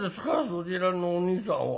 そちらのおにいさんは。